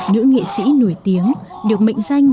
nữ nghệ sĩ nổi tiếng được mệnh danh